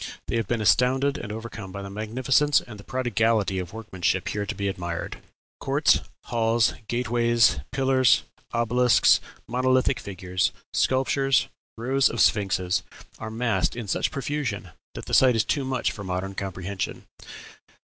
They have been astounded and overcome by the magnificence and the prodigality of workmanship here to be admired. Courts, halls, gate ways, pillars, obelisks, monolithic figures, sculptures, rows of sphinxes, are massed in such profusion that the sight is too much for modern comprehension."